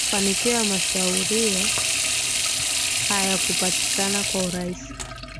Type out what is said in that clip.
Mafanikio ya mashauriano hayakupatikana kwa urahisi